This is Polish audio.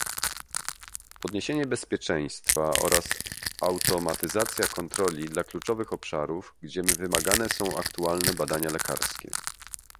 Podniesienie bezpieczeństwa oraz automatyzacja kontroli dla kluczowych obszarów, gdzie wymagane są aktualne badania lekarskie